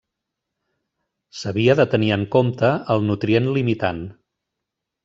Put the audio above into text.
S'havia de tenir en compte el nutrient limitant.